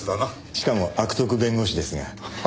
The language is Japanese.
しかも悪徳弁護士ですが。